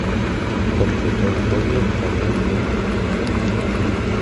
Completó el podio Cadel Evans.